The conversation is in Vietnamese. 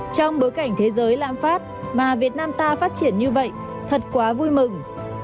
trong bối cảnh thế giới lãm phát mà việt nam ta phát triển như vậy thật quá vui mừng